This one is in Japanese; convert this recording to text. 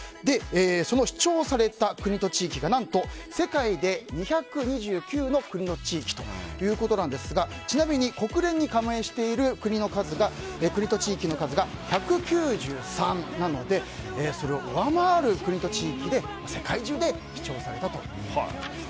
その視聴された国と地域が何と世界で２２９の国と地域ということなんですがちなみに、国連に加盟している国と地域の数が１９３なのでそれを上回る国と地域で世界中で視聴されたということです。